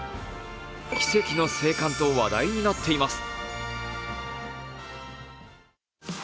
奇跡の生還と話題になっています。